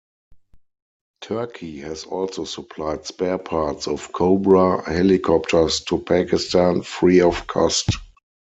Turkey has also supplied spare parts of Cobra helicopters to Pakistan free of cost.